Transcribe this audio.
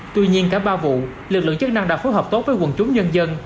tuy nhiên cả ba vụ lực lượng chức năng đã phối hợp tốt với quần chúng nhân dân